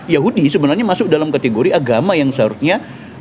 yahudi sebenarnya masuk dalam kategori agama yang seharusnya